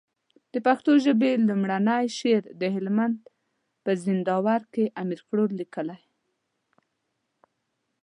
د پښتو ژبي لومړنی شعر د هلمند په زينداور کي امير کروړ ليکلی